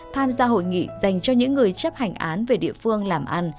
tham gia hội nghị dành cho những người chấp hành án về địa phương làm ăn